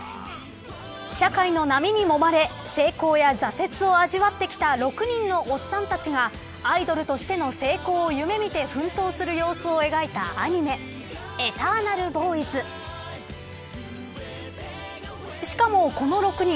社会の波にもまれ成功や挫折を味わってきた６人のおっさんたちがアイドルとしての成功を夢見て奮闘する様子を描いたアニメ永久少年ＥｔｅｒｎａｌＢｏｙｓ。